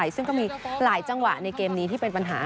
ซึ่งก็มีหลายจังหวะในเกมนี้ที่เป็นปัญหา